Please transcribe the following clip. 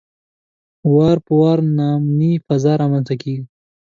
وار په وار د ناامنۍ فضا رامنځته کوي.